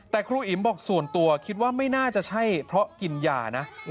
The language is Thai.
แต่ครูอิ๋มบอกส่วนตัวคิดว่าไม่น่าจะใช่เพราะกินยานะ